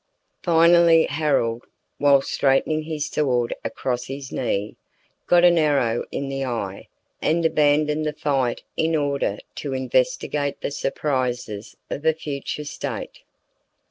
Finally Harold, while straightening his sword across his knee, got an arrow in the eye, and abandoned the fight in order to investigate the surprises of a future state.